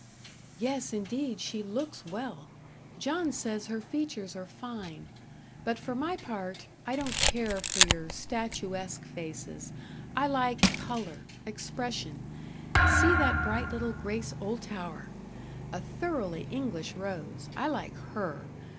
"Yes, indeed, she looks well. John says her features are fine; but for my part, I don't care for your statuesque faces; I like colour expression. See that bright little Grace Oldtower! a thoroughly English rose; I like HER.